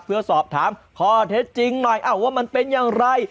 เพื่อสอบถามข้อเท็จจริงหน่อยว่ามันเป็นอย่างไร